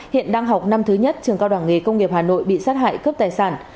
hiện đang học năm thứ nhất trường cao đẳng nghề công nghiệp hà nội bị sát hại cướp tài sản